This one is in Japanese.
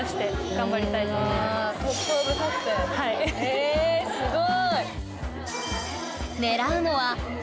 えすごい！